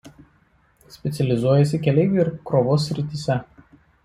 Specializuojasi keleivių ir krovos srityse.